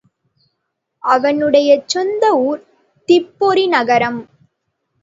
அவனுடைய சொந்த ஊர் திப்பெரரி நகரம்.